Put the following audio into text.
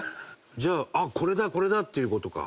じゃああっこれだこれだ！っていう事か。